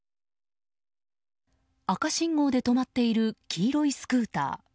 赤信号で止まっている黄色いスクーター。